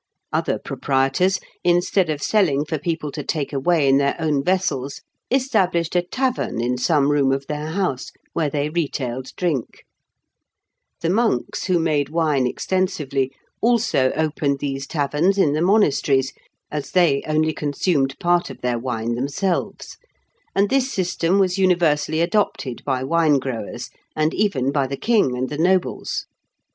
Other proprietors, instead of selling for people to take away in their own vessels, established a tavern in some room of their house, where they retailed drink (Fig. 107). The monks, who made wine extensively, also opened these taverns in the monasteries, as they only consumed part of their wine themselves; and this system was universally adopted by wine growers, and even by the king and the nobles.